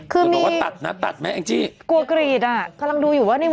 คือมีกลัวกรีดอ่ะ